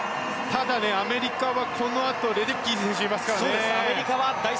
ただ、アメリカはこのあとレデッキー選手がいますから。